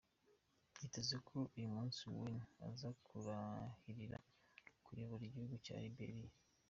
Byitezwe ko uyu munsi Weah aza kurahirira kuyobora igihugu cya Liberiya.